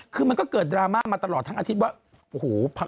คือมันก็เกิดดราม่ามาตลอดทั้งอาทิตย์ว่าโอ้โห